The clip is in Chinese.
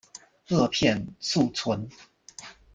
萼片宿存。